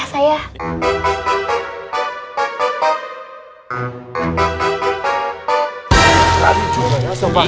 lagi juga ya sobatnya